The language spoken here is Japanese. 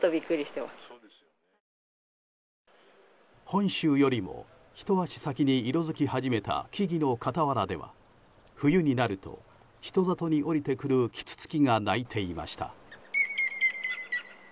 本州よりもひと足先に色づき始めた木々の傍らでは冬になると人里に下りてくるキツツキが鳴いていました。